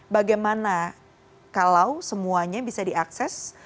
bagaimana kalau semuanya bisa diakses